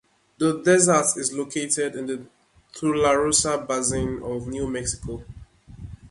The desert is located in the Tularosa Basin of New Mexico.